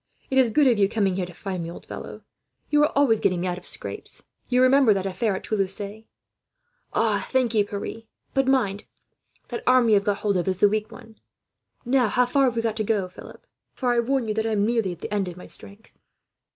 "It is good of you coming here to find me, old fellow. You are always getting me out of scrapes. You remember that affair at Toulouse. "Thank you, Pierre, but mind, that arm you have got hold of is the weak one. "Now, how far have we got to go, Philip? For I warn you, I am nearly at the end of my strength."